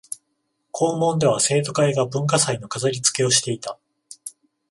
校門では生徒会が文化祭の飾りつけをしていた